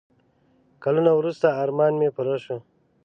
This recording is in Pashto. کلونه وروسته ارمان مې پوره شو.